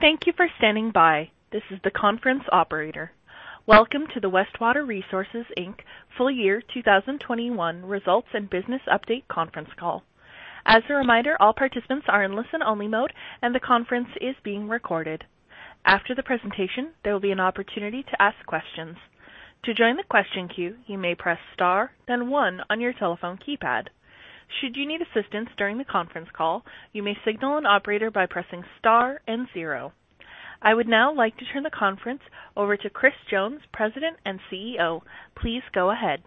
Thank you for standing by. This is the conference operator. Welcome to the Westwater Resources, Inc. Full Year 2021 Results and Business Update conference call. As a reminder, all participants are in listen-only mode, and the conference is being recorded. After the presentation, there will be an opportunity to ask questions. To join the question queue, you may press star then one on your telephone keypad. Should you need assistance during the conference call, you may signal an operator by pressing star and zero. I would now like to turn the conference over to Chris Jones, President and CEO. Please go ahead.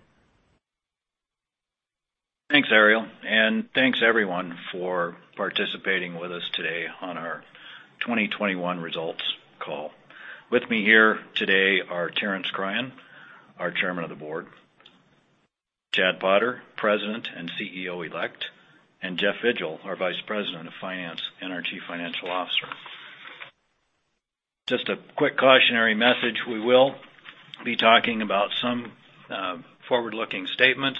Thanks, Ariel, and thanks, everyone, for participating with us today on our 2021 results call. With me here today are Terence Cryan, our Chairman of the Board, Chad Potter, President and CEO Elect, and Jeff Vigil, our Vice President of Finance and our Chief Financial Officer. Just a quick cautionary message, we will be talking about some forward-looking statements.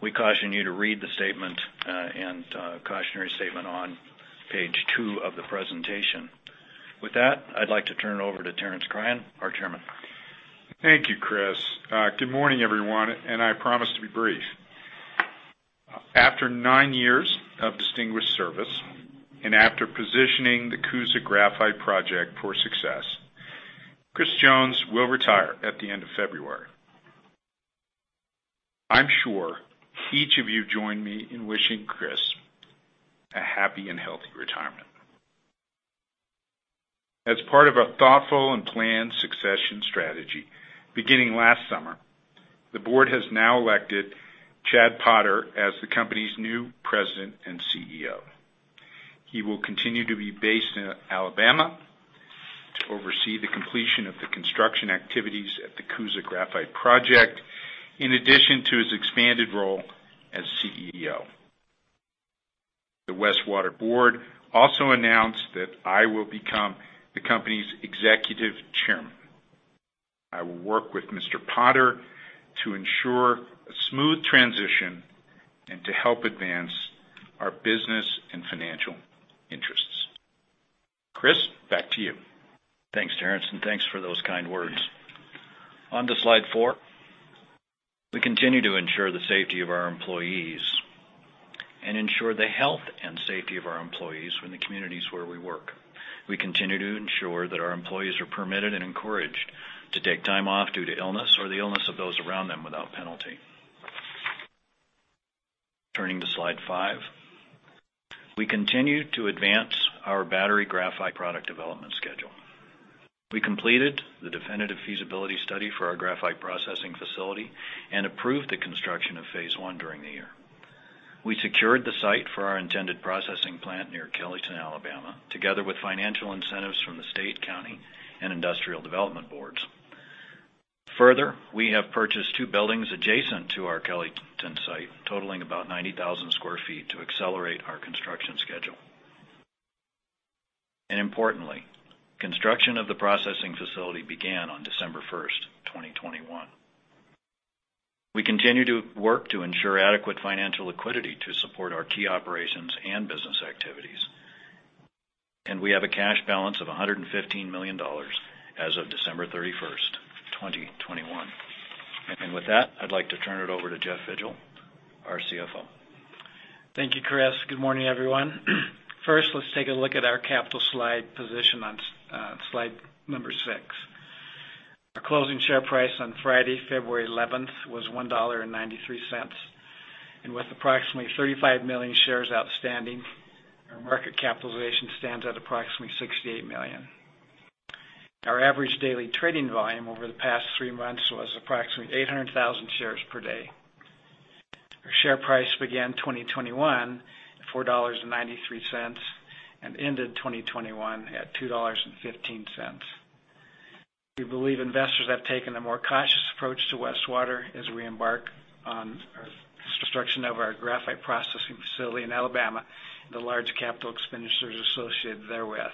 We caution you to read the statement and cautionary statement on page two of the presentation. With that, I'd like to turn it over to Terence Cryan, our Chairman. Thank you, Chris. Good morning, everyone, and I promise to be brief. After nine years of distinguished service and after positioning the Coosa Graphite Project for success, Chris Jones will retire at the end of February. I'm sure each of you join me in wishing Chris a happy and healthy retirement. As part of a thoughtful and planned succession strategy, beginning last summer, the board has now elected Chad Potter as the company's new President and CEO. He will continue to be based in Alabama to oversee the completion of the construction activities at the Coosa Graphite Project, in addition to his expanded role as CEO. The Westwater Board also announced that I will become the company's Executive Chairman. I will work with Mr. Potter to ensure a smooth transition and to help advance our business and financial interests. Chris, back to you. Thanks, Terence, and thanks for those kind words. On to slide four. We continue to ensure the safety of our employees and ensure the health and safety of our employees in the communities where we work. We continue to ensure that our employees are permitted and encouraged to take time off due to illness or the illness of those around them without penalty. Turning to slide five. We continue to advance our battery graphite product development schedule. We completed the definitive feasibility study for our graphite processing facility and approved the construction of phase one during the year. We secured the site for our intended processing plant near Kellyton, Alabama, together with financial incentives from the state, county, and industrial development boards. Further, we have purchased two buildings adjacent to our Kellyton site, totaling about 90,000 sq ft, to accelerate our construction schedule. Importantly, construction of the processing facility began on December 1, 2021. We continue to work to ensure adequate financial liquidity to support our key operations and business activities. We have a cash balance of $115 million as of December 31, 2021. With that, I'd like to turn it over to Jeff Vigil, our CFO. Thank you, Chris. Good morning, everyone. First, let's take a look at our capital slide position on slide number six. Our closing share price on Friday, February 11, was $1.93, and with approximately 35 million shares outstanding, our market capitalization stands at approximately $68 million. Our average daily trading volume over the past three months was approximately 800,000 shares per day. Our share price began 2021 at $4.93 and ended 2021 at $2.15. We believe investors have taken a more cautious approach to Westwater as we embark on our construction of our graphite processing facility in Alabama, the large capital expenditures associated therewith.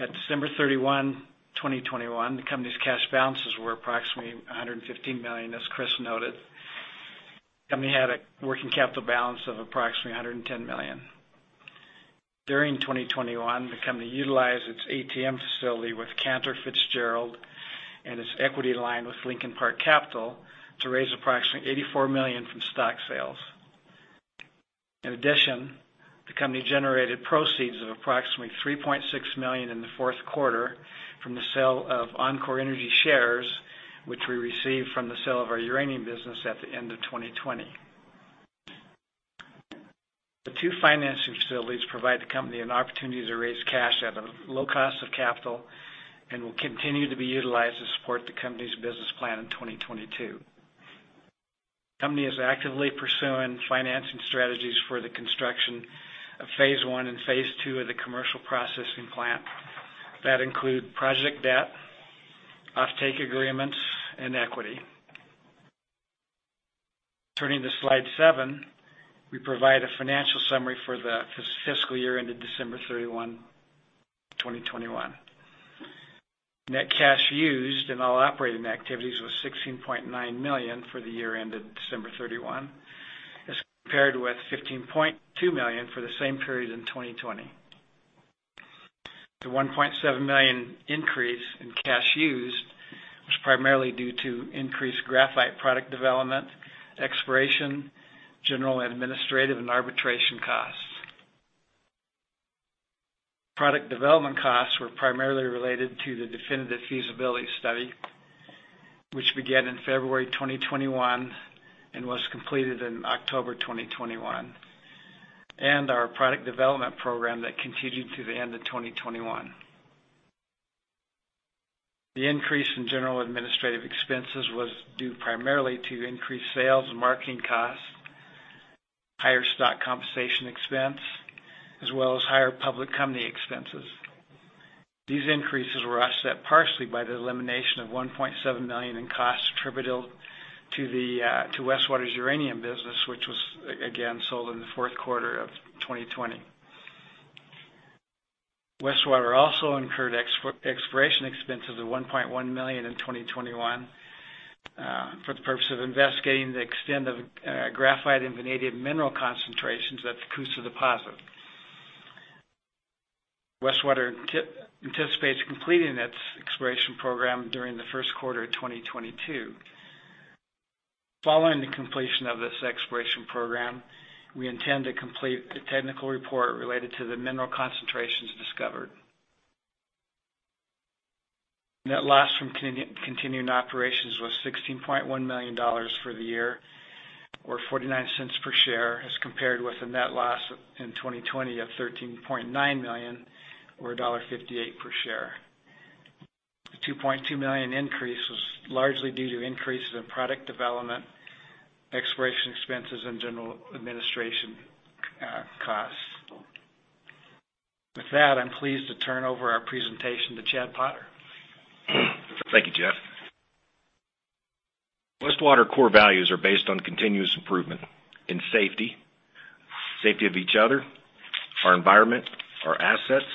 At December 31, 2021, the company's cash balances were approximately $115 million, as Chris noted. Company had a working capital balance of approximately $110 million. During 2021, the company utilized its ATM facility with Cantor Fitzgerald and its equity line with Lincoln Park Capital to raise approximately $84 million from stock sales. In addition, the company generated proceeds of approximately $3.6 million in the fourth quarter from the sale of enCore Energy shares, which we received from the sale of our uranium business at the end of 2020. The two financing facilities provide the company an opportunity to raise cash at a low cost of capital and will continue to be utilized to support the company's business plan in 2022. Company is actively pursuing financing strategies for the construction of phase one and phase two of the commercial processing plant that include project debt, offtake agreements, and equity. Turning to slide 7, we provide a financial summary for the fiscal year ended December 31, 2021. Net cash used in all operating activities was $16.9 million for the year ended December 31, as compared with $15.2 million for the same period in 2020. The $1.7 million increase in cash used was primarily due to increased graphite product development, exploration, general administrative, and arbitration costs. Product development costs were primarily related to the Definitive Feasibility Study, which began in February 2021 and was completed in October 2021, and our product development program that continued through the end of 2021. The increase in general administrative expenses was due primarily to increased sales and marketing costs, higher stock compensation expense, as well as higher public company expenses. These increases were offset partially by the elimination of $1.7 million in costs attributable to Westwater's uranium business, which was again sold in the fourth quarter of 2020. Westwater also incurred exploration expenses of $1.1 million in 2021 for the purpose of investigating the extent of graphite and vanadium mineral concentrations at the Coosa deposit. Westwater anticipates completing its exploration program during the first quarter of 2022. Following the completion of this exploration program, we intend to complete the technical report related to the mineral concentrations discovered. Net loss from continuing operations was $16.1 million for the year or $0.49 per share as compared with a net loss in 2020 of $13.9 million or $1.58 per share. The $2.2 million increase was largely due to increases in product development, exploration expenses, and general and administrative costs. With that, I'm pleased to turn over our presentation to Chad Potter. Thank you, Jeff. Westwater core values are based on continuous improvement in safety of each other, our environment, our assets,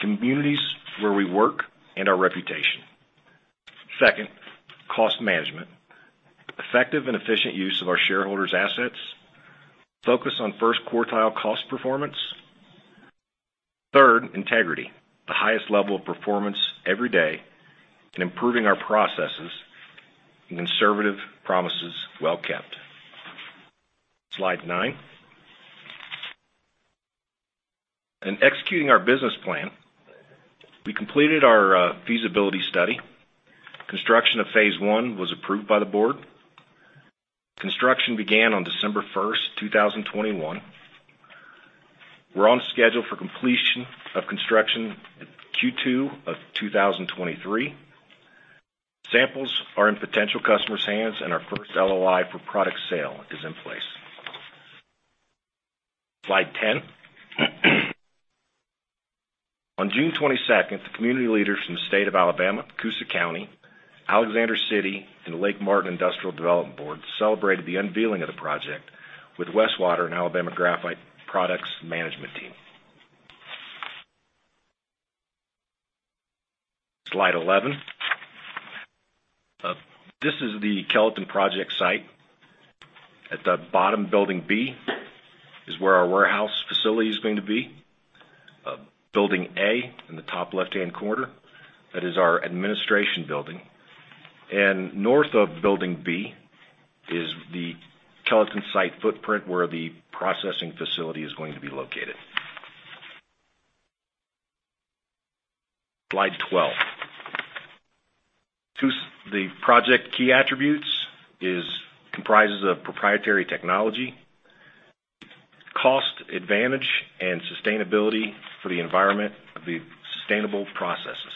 communities where we work, and our reputation. Second, cost management. Effective and efficient use of our shareholders' assets. Focus on first quartile cost performance. Third, integrity. The highest level of performance every day in improving our processes and conservative promises well-kept. Slide nine. In executing our business plan, we completed our feasibility study. Construction of phase I was approved by the board. Construction began on December 1, 2021. We're on schedule for completion of construction Q2 of 2023. Samples are in potential customers' hands, and our first LOI for product sale is in place. Slide 10. On June 22, the community leaders from the state of Alabama, Coosa County, Alexander City, and the Lake Martin Industrial Development Board celebrated the unveiling of the project with Westwater and Alabama Graphite Products management team. Slide 11. This is the Kellyton project site. At the bottom, building B is where our warehouse facility is going to be. Building A in the top left-hand corner, that is our administration building. North of building B is the Kellyton site footprint where the processing facility is going to be located. Slide 12. The project key attributes is comprises of proprietary technology, cost advantage, and sustainability for the environment of the sustainable processes.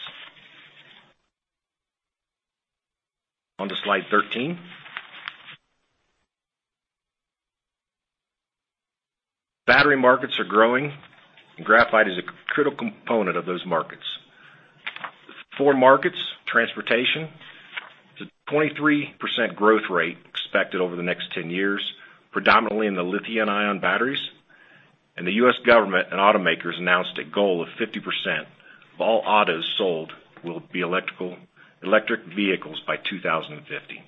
On to slide 13. Battery markets are growing, and graphite is a critical component of those markets. Four markets, transportation, is a 23% growth rate expected over the next 10 years, predominantly in the lithium-ion batteries. The U.S. government and automakers announced a goal of 50% of all autos sold will be electric vehicles by 2050.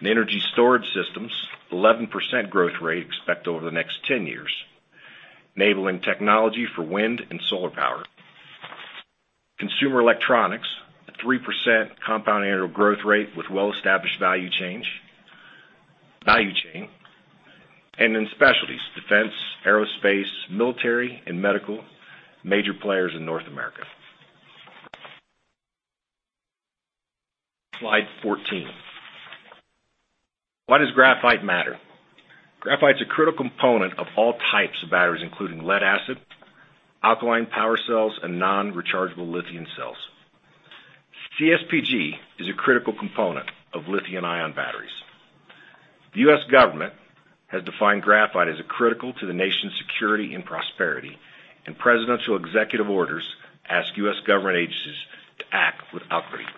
In energy storage systems, 11% growth rate expected over the next 10 years, enabling technology for wind and solar power. Consumer electronics, a 3% compound annual growth rate with well-established value chain. In specialties, defense, aerospace, military, and medical, major players in North America. Slide 14. Why does graphite matter? Graphite's a critical component of all types of batteries, including lead-acid, alkaline power cells, and non-rechargeable lithium cells. CSPG is a critical component of lithium-ion batteries. The U.S. government has defined graphite as critical to the nation's security and prosperity, and presidential executive orders ask U.S. government agencies to act with urgency.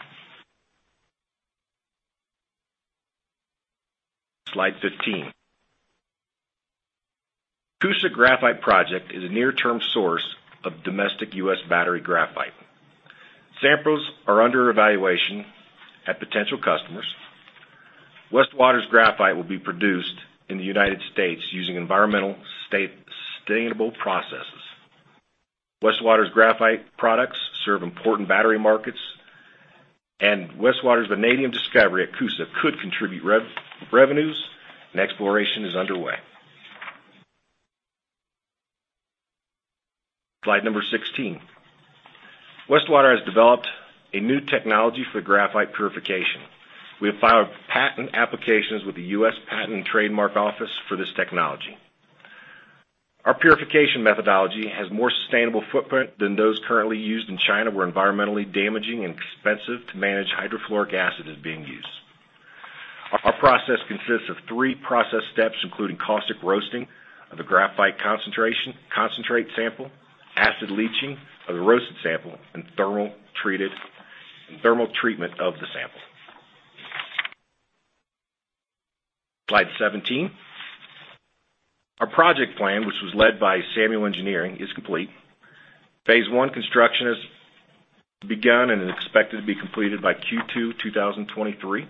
15. Coosa Graphite Project is a near-term source of domestic U.S. battery graphite. Samples are under evaluation at potential customers. Westwater's graphite will be produced in the United States using environmental sustainable processes. Westwater's graphite products serve important battery markets, and Westwater's vanadium discovery at Coosa could contribute revenues, and exploration is underway. Slide number 16. Westwater has developed a new technology for graphite purification. We have filed patent applications with the U.S. Patent and Trademark Office for this technology. Our purification methodology has more sustainable footprint than those currently used in China, where environmentally damaging and expensive to manage hydrofluoric acid is being used. Our process consists of three process steps, including caustic roasting of a graphite concentrate sample, acid leaching of the roasted sample, and thermal treatment of the sample. Slide 17. Our project plan, which was led by Samuel Engineering, is complete. Phase one construction has begun and is expected to be completed by Q2 2023.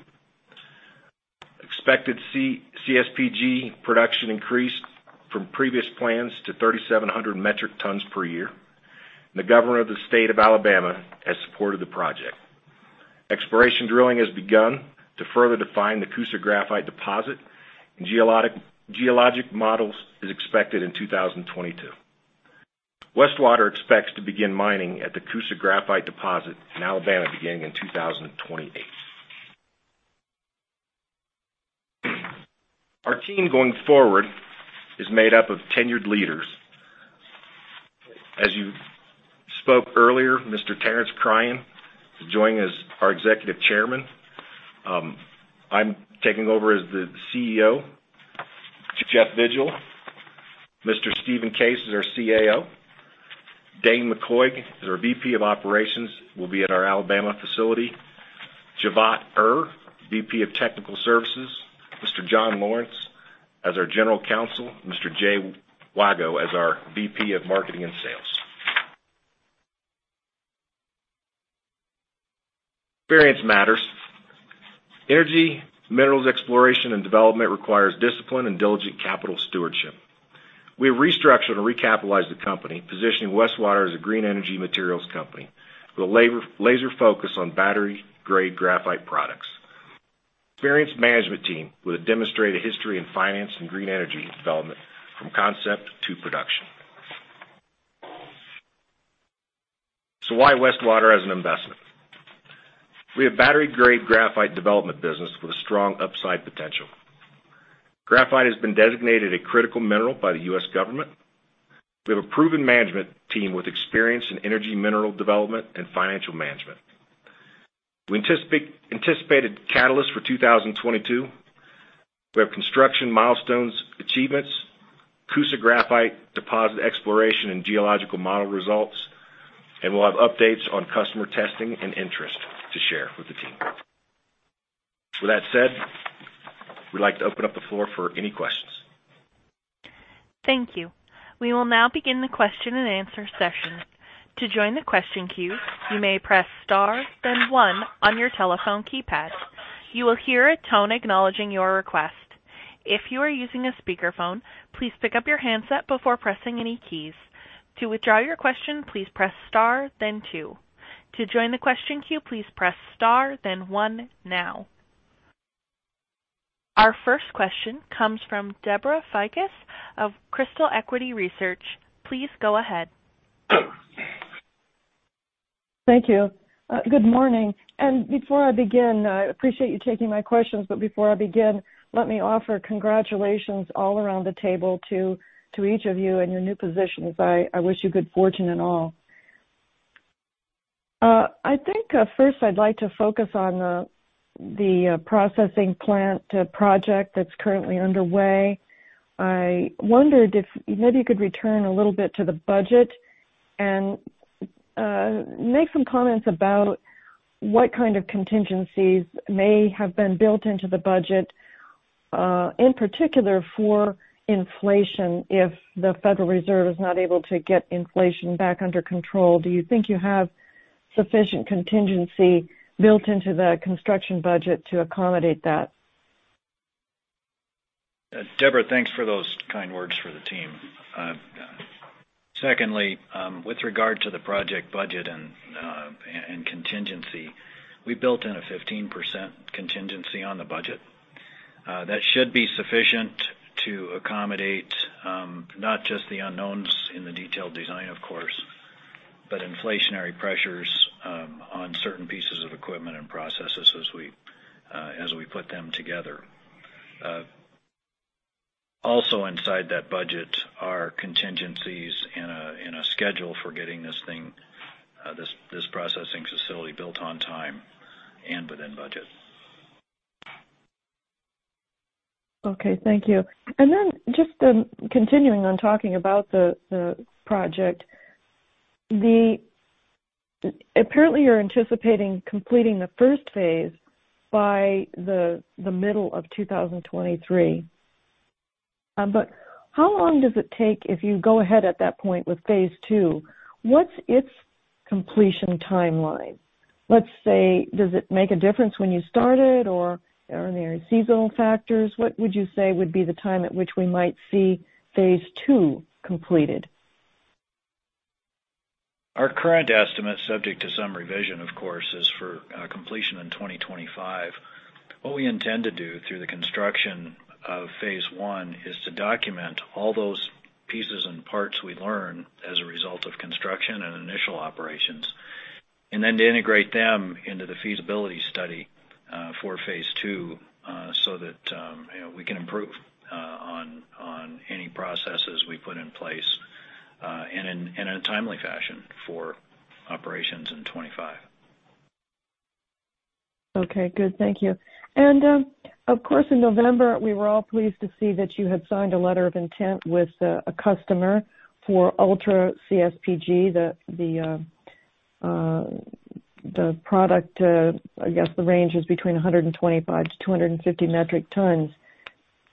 Expected C-CSPG production increased from previous plans to 3,700 metric tons per year. The governor of the state of Alabama has supported the project. Exploration drilling has begun to further define the Coosa Graphite Deposit, and geologic models is expected in 2022. Westwater expects to begin mining at the Coosa Graphite Deposit in Alabama beginning in 2028. Our team going forward is made up of tenured leaders. As you spoke earlier, Mr. Terence Cryan to join as our executive chairman. I'm taking over as the CEO to Jeff Vigil. Mr. Steven Cates is our CAO. Dain McCoig is our VP of Operations, will be at our Alabama facility. Cevat Er, VP of Technical Services. Mr. John Lawrence as our General Counsel. Mr. Jay Waggoner as our VP of Marketing and Sales. Experience matters. Energy, minerals exploration and development requires discipline and diligent capital stewardship. We have restructured and recapitalized the company, positioning Westwater as a green energy materials company with a laser focus on battery-grade graphite products. Experienced management team with a demonstrated history in finance and green energy development from concept to production. Why Westwater as an investment? We have battery-grade graphite development business with a strong upside potential. Graphite has been designated a critical mineral by the U.S. government. We have a proven management team with experience in energy mineral development and financial management. We anticipated catalyst for 2022. We have construction milestones, achievements, Coosa Graphite Deposit exploration and geological model results, and we'll have updates on customer testing and interest to share with the team. With that said, we'd like to open up the floor for any questions. Thank you. We will now begin the question-and-answer session. To join the question queue, you may press star then one on your telephone keypad. You will hear a tone acknowledging your request. If you are using a speakerphone, please pick up your handset before pressing any keys. To withdraw your question, please press star then two. To join the question queue, please press star then one now. Our first question comes from Debra Fiakas of Crystal Equity Research. Please go ahead. Thank you. Good morning. Before I begin, I appreciate you taking my questions, but before I begin, let me offer congratulations all around the table to each of you in your new positions. I wish you good fortune in all. I think first I'd like to focus on the processing plant project that's currently underway. I wondered if maybe you could return a little bit to the budget and make some comments about what kind of contingencies may have been built into the budget, in particular for inflation, if the Federal Reserve is not able to get inflation back under control. Do you think you have sufficient contingency built into the construction budget to accommodate that? Debra, thanks for those kind words for the team. Secondly, with regard to the project budget and contingency, we built in a 15% contingency on the budget. That should be sufficient to accommodate not just the unknowns in the detailed design of course, but inflationary pressures on certain pieces of equipment and processes as we put them together. Also inside that budget are contingencies in a schedule for getting this processing facility built on time and within budget. Okay. Thank you. Just continuing on talking about the project. Apparently, you're anticipating completing the first phase by the middle of 2023. How long does it take if you go ahead at that point with phase two? What's its completion timeline? Let's say, does it make a difference when you start it or are there seasonal factors? What would you say would be the time at which we might see phase two completed? Our current estimate, subject to some revision, of course, is for completion in 2025. What we intend to do through the construction of phase one is to document all those pieces and parts we learn as a result of construction and initial operations, and then to integrate them into the feasibility study for phase two, so that you know, we can improve on any processes we put in place, and in a timely fashion for operations in 2025. Okay, good. Thank you. Of course, in November, we were all pleased to see that you had signed a letter of intent with a customer for ULTRA-CSPG, the product. I guess the range is between 125-250 metric tons.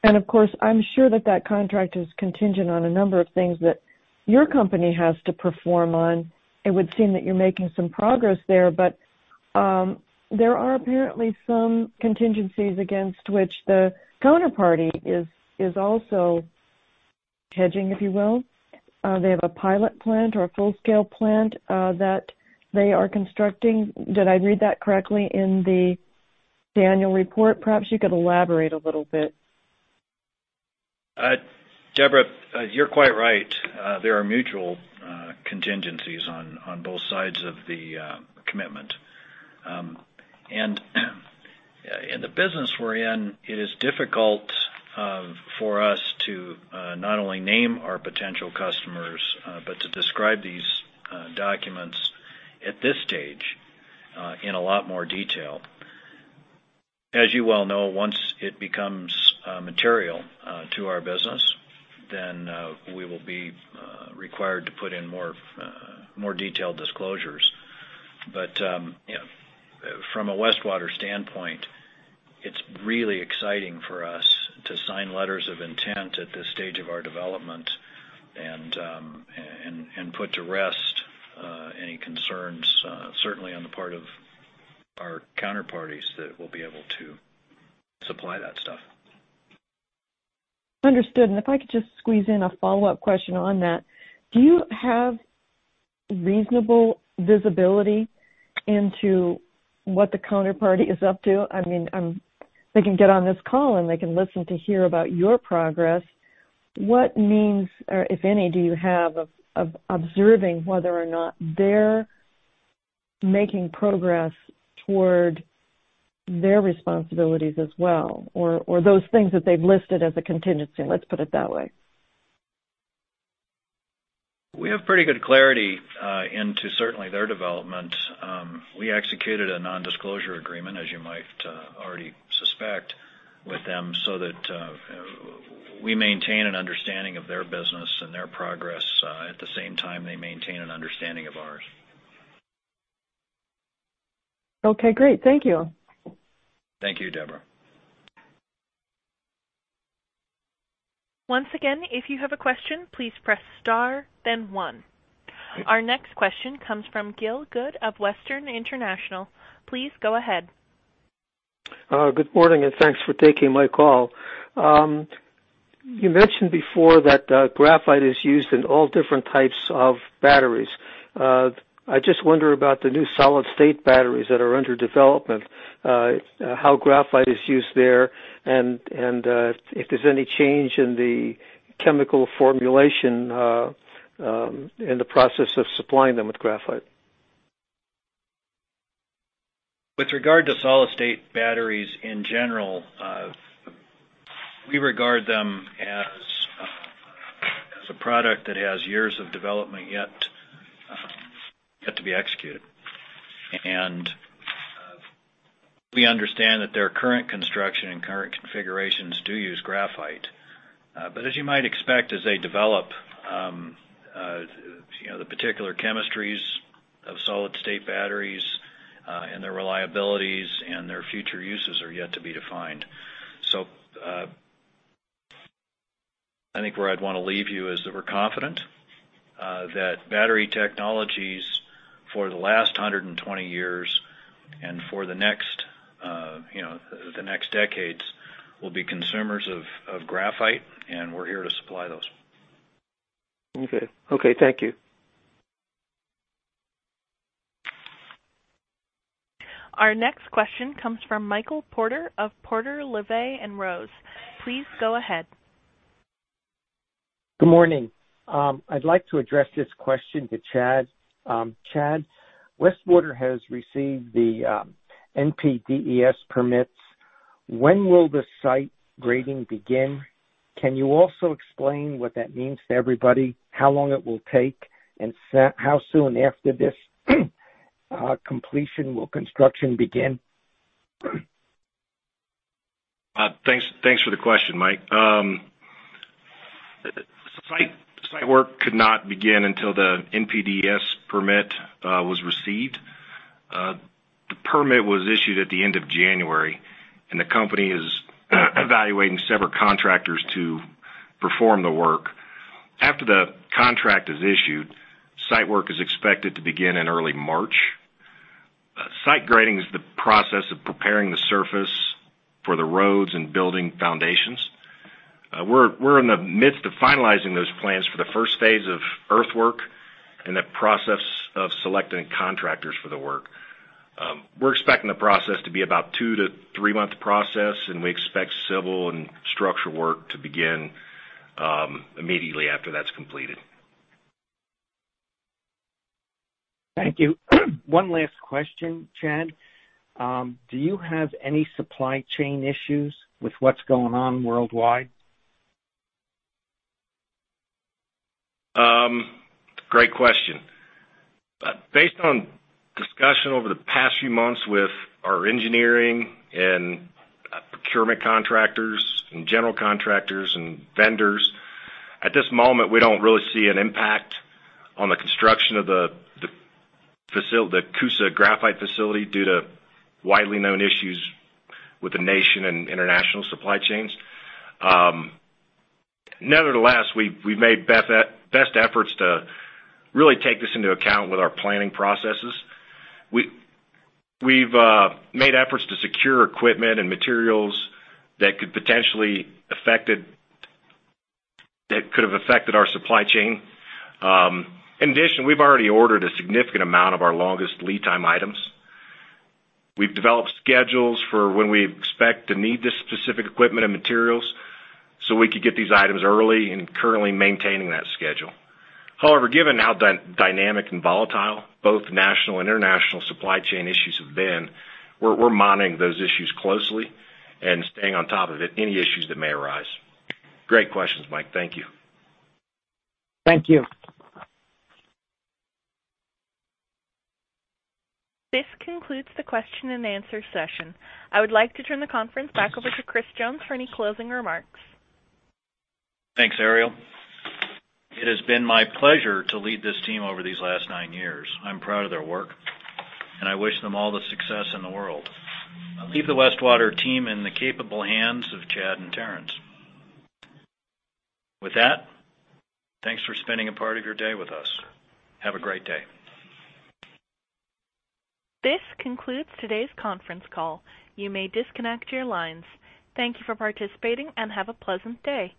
Of course, I'm sure that contract is contingent on a number of things that your company has to perform on. It would seem that you're making some progress there, but there are apparently some contingencies against which the counterparty is also hedging, if you will. They have a pilot plant or a full-scale plant that they are constructing. Did I read that correctly in the annual report? Perhaps you could elaborate a little bit. Debra, you're quite right. There are mutual contingencies on both sides of the commitment. In the business we're in, it is difficult for us to not only name our potential customers, but to describe these documents at this stage in a lot more detail. As you well know, once it becomes material to our business, then we will be required to put in more detailed disclosures. You know, from a Westwater standpoint, it's really exciting for us to sign letters of intent at this stage of our development and put to rest any concerns certainly on the part of our counterparties that we'll be able to supply that stuff. Understood. If I could just squeeze in a follow-up question on that. Do you have reasonable visibility into what the counterparty is up to? I mean, they can get on this call, and they can listen to hear about your progress. What means, or if any, do you have of observing whether or not they're making progress toward their responsibilities as well, or those things that they've listed as a contingency? Let's put it that way. We have pretty good clarity into certainly their development. We executed a non-disclosure agreement, as you might already suspect with them, so that we maintain an understanding of their business and their progress, at the same time they maintain an understanding of ours. Okay, great. Thank you. Thank you, Debra. Once again, if you have a question, please press star then one. Our next question comes from Gil Good of Western International. Please go ahead. Good morning, thanks for taking my call. You mentioned before that graphite is used in all different types of batteries. I just wonder about the new solid-state batteries that are under development, how graphite is used there, and if there's any change in the chemical formulation in the process of supplying them with graphite. With regard to solid-state batteries in general, we regard them as a product that has years of development yet to be executed. We understand that their current construction and current configurations do use graphite. But as you might expect, as they develop, you know, the particular chemistries of solid-state batteries, and their reliabilities and their future uses are yet to be defined. I think where I'd wanna leave you is that we're confident that battery technologies for the last 120 years and for the next, you know, the next decades will be consumers of graphite, and we're here to supply those. Okay. Thank you. Our next question comes from Michael Porter of Porter, LeVay & Rose. Please go ahead. Good morning. I'd like to address this question to Chad. Chad, Westwater has received the NPDES permits. When will the site grading begin? Can you also explain what that means to everybody? How long it will take, and so how soon after this completion will construction begin? Thanks for the question, Mike. Site work could not begin until the NPDES permit was received. The permit was issued at the end of January, and the company is evaluating several contractors to perform the work. After the contract is issued, site work is expected to begin in early March. Site grading is the process of preparing the surface for the roads and building foundations. We're in the midst of finalizing those plans for the first phase of earthwork and the process of selecting contractors for the work. We're expecting the process to be about a two-three month process, and we expect civil and structural work to begin immediately after that's completed. Thank you. One last question, Chad. Do you have any supply chain issues with what's going on worldwide? Great question. Based on discussion over the past few months with our engineering and procurement contractors and general contractors and vendors, at this moment, we don't really see an impact on the construction of the Coosa Graphite facility due to widely known issues with the national and international supply chains. Nevertheless, we've made best efforts to really take this into account with our planning processes. We've made efforts to secure equipment and materials that could have affected our supply chain. In addition, we've already ordered a significant amount of our longest lead time items. We've developed schedules for when we expect to need this specific equipment and materials, so we could get these items early and currently maintaining that schedule. However, given how dynamic and volatile both national and international supply chain issues have been, we're monitoring those issues closely and staying on top of it, any issues that may arise. Great questions, Mike. Thank you. Thank you. This concludes the question and answer session. I would like to turn the conference back over to Chris Jones for any closing remarks. Thanks, Ariel. It has been my pleasure to lead this team over these last nine years. I'm proud of their work, and I wish them all the success in the world. I leave the Westwater team in the capable hands of Chad and Terence. With that, thanks for spending a part of your day with us. Have a great day. This concludes today's conference call. You may disconnect your lines. Thank you for participating, and have a pleasant day.